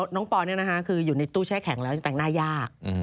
น้องปอร์นี่นะคะอยู่ตู้แช่แข็งแล้วแต่งหน้ายาก